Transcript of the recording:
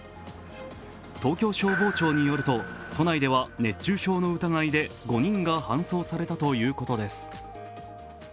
東京消防庁によると、都内では熱中症の疑いで５人が搬送されたということです。